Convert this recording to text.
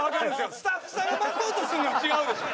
スタッフさんが巻こうとするのは違うでしょ！